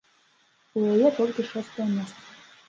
У яе толькі шостае месца.